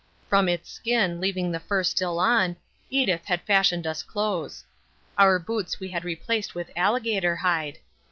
From its skin, leaving the fur still on, Edith had fashioned us clothes. Our boots we had replaced with alligator hide.